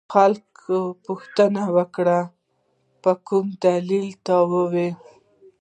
خلکو پوښتنه وکړه په کوم دلیل ته وایې.